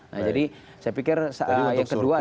nah jadi saya pikir yang kedua adalah